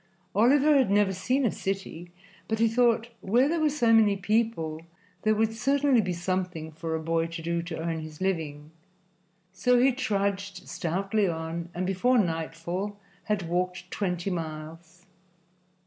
Oliver had never seen a city, but he thought where there were so many people there would certainly be something for a boy to do to earn his living, so he trudged stoutly on and before nightfall had walked twenty miles.